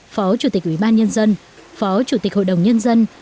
phó chủ tịch ủy ban nhân dân phó chủ tịch hội đồng nhân dân